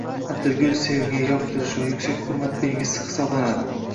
Atirgul – sevgi, yoqtirish va «yuksak hurmat» belgisi hisoblanadi.